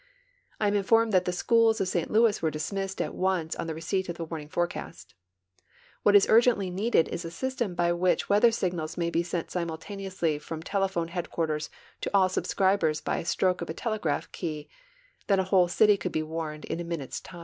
I am informed that the schools of St Louis were dismissed at once on the receipt of the warning forecast. What is urgently needed is a system by which weather signals may be sent simul taneously from telephone headquarters to all subscribers by a stroke of a telegraph key; then a whole city couUl be warned in a minute's time.